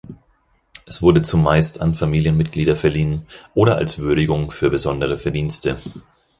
Es wurde zumeist an Familienmitglieder verliehen oder als Würdigung für besondere Verdienste.